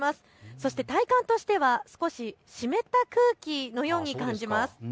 そして体感としては少し湿った空気のように感じます。